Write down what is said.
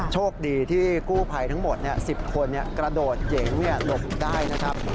โชคดีที่กู้ภัยทั้งหมด๑๐คนกระโดดเหยิงหลบได้นะครับ